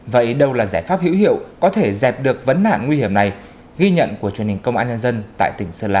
vậy đâu là giải pháp hữu hiệu có thể dẹp được vấn nạn nguy hiểm này ghi nhận của truyền hình công an nhân dân tại tỉnh sơn la